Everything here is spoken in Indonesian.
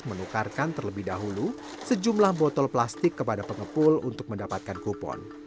menukarkan terlebih dahulu sejumlah botol plastik kepada pengepul untuk mendapatkan kupon